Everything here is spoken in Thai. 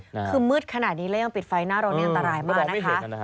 คือมืดขนาดนี้แล้วยังปิดไฟหน้ารถนี่อันตรายมากนะคะ